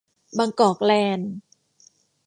บางกอกแลนด์